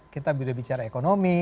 kita sudah bicara ekonomi